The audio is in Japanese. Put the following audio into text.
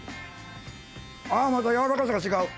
あまた軟らかさが違う。